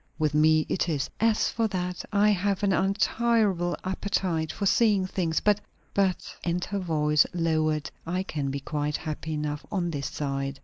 "With me it is." "As for that, I have an untirable appetite for seeing things. But but," and her voice lowered, "I can be quite happy enough on this side."